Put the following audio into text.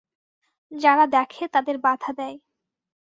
যারা দেখে তাদের বাধা দেয়।